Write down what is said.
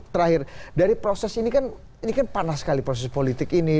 terakhir dari proses ini kan ini kan panas sekali proses politik ini